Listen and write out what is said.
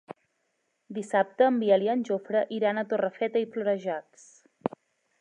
Dissabte en Biel i en Jofre iran a Torrefeta i Florejacs.